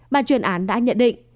ban chuyên án đã nhận định